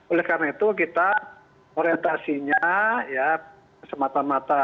oleh karena itu kita orientasinya ya semata mata